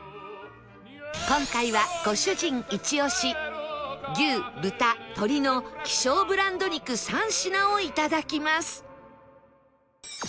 今回はご主人イチ押し牛豚鶏の希少ブランド肉３品をいただきます